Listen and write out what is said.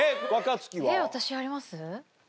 私あります？